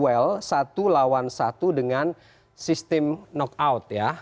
well satu lawan satu dengan sistem knockout ya